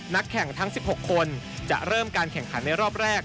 นักแข่งทั้ง๑๖คนจะเริ่มการแข่งขันในรอบแรก